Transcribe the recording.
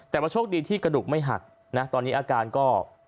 แต่ว่าโชคดีที่กระดูกไม่หักนะตอนนี้อาการก็